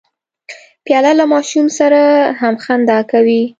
پیاله له ماشوم سره هم خندا کوي.